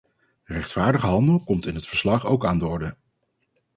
Rechtvaardige handel komt in het verslag ook aan de orde.